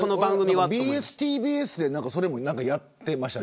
ＢＳ−ＴＢＳでもそれをやってました。